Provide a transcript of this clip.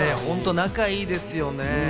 仲いいですよね。